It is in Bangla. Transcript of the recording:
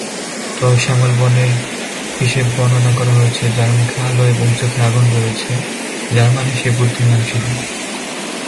ত "শ্যামল বর্ণের" হিসেবে বর্ণনা করা হয়েছে যার "মুখে আলো এবং চোখে আগুন রয়েছে", যার মানে সে বুদ্ধিমান ছিল।